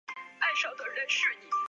对情有独钟。